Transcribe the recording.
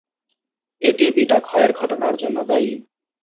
এটি বিটা-ক্ষয়ের ঘটনার জন্য দায়ী।